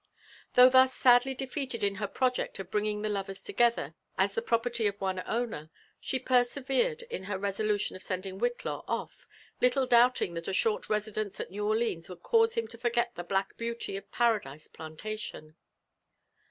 Though thus sadly defeated In her project of bringing the lovers t<v gether as the property of one owner, she persevered in her resolntloa of sending Whitlaw off, little doubling (hat a short residonee at Vtm Orleans would cause him to forget the black beauty of Paradise PIan«» tation.